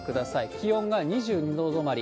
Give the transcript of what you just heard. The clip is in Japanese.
気温が２２度止まり。